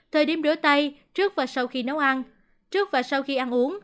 thời điểm rửa tay trước và sau khi nấu ăn trước và sau khi ăn uống